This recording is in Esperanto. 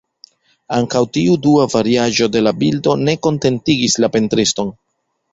Ankaŭ tiu dua variaĵo de la bildo ne kontentigis la pentriston.